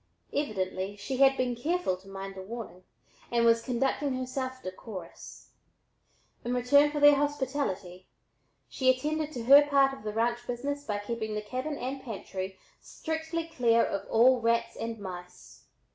Evidently she had been careful to mind the warning and was conducting herself "decorus." In return for their hospitality she attended to her part of the ranch business by keeping the cabin and pantry strictly clear of all rats and mice.